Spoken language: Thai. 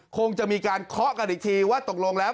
คงจะมีการเคาะกันอีกทีว่าตกลงแล้ว